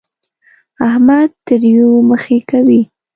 احمد تريو مخی کوي.